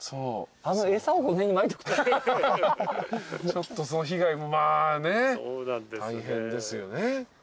ちょっとその被害もまあね大変ですよね。